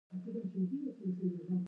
چین په سبزې انرژۍ کې مخکښ دی.